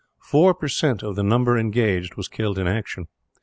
Four percent of the number engaged was killed in action.